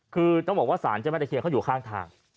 คือต้องบอกว่าสารเจ้าแม่ตะเคียนเขาอยู่ข้างทาง